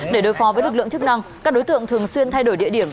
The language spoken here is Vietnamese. để đối phó với lực lượng chức năng các đối tượng thường xuyên thay đổi địa điểm